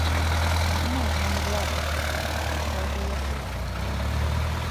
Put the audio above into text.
Nē, man ir labi. Paldies.